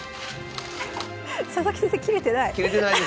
佐々木先生切れてない。